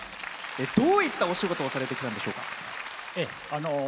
どういったお仕事をされてきたんでしょうか？